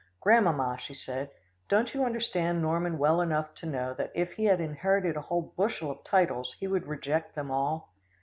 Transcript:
"Grandmamma," she said, "don't you understand Norman well enough to know that if he had inherited a whole bushel of titles, he would reject them all?